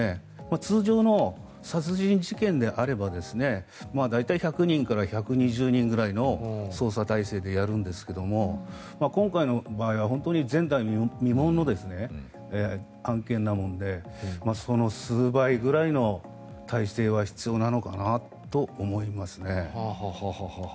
通常の殺人事件であれば大体１００人から１２０人くらいの捜査態勢でやるんですが今回の場合は本当に前代未聞の案件なのでその数倍ぐらいの態勢は必要なのかなと思いますね。